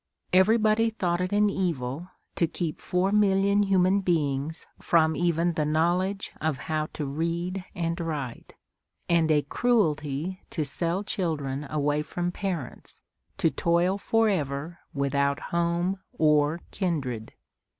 Everybody thought it an evil to keep four million human beings from even the knowledge of how to read and write, and a cruelty to sell children away from parents, to toil forever without home or kindred.